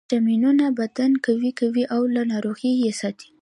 ویټامینونه بدن قوي کوي او له ناروغیو یې ساتي